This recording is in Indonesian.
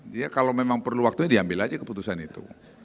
dia kalau memang perlu waktunya diambil aja keputusan itu